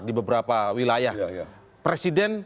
di beberapa wilayah presiden